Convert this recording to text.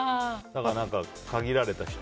だから、限られた人。